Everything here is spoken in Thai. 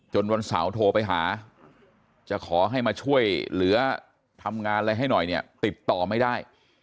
วันเสาร์โทรไปหาจะขอให้มาช่วยเหลือทำงานอะไรให้หน่อยเนี่ยติดต่อไม่ได้